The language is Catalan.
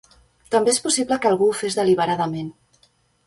També és possible que algú ho fes deliberadament.